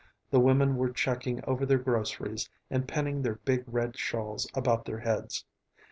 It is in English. The women were checking over their groceries and pinning their big red shawls about their heads.